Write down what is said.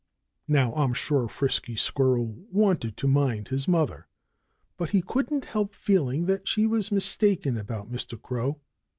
Now, I'm sure Frisky Squirrel wanted to mind his mother. But he couldn't help feeling that she was mistaken about Mr. Crow.